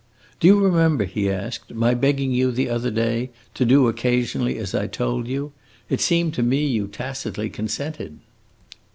"Do you remember," he asked, "my begging you, the other day, to do occasionally as I told you? It seemed to me you tacitly consented."